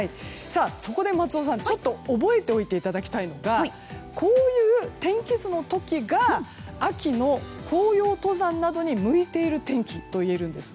そこで松尾さん覚えておいていただきたいのがこういう天気図の時が秋の紅葉登山などに向いている天気といえるんです。